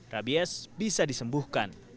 rabies bisa disembuhkan